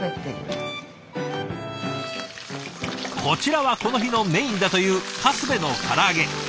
こちらはこの日のメインだというカスベの唐揚げ。